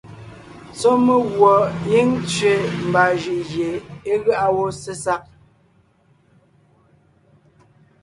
Sɔ́ meguɔ gíŋ tsẅe mbaa jʉʼ gie é gáʼa wó sesag.